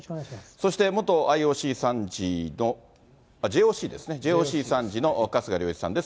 そして元ＩＯＣ参事の、ＪＯＣですね、ＪＯＣ参事の春日良一さんです。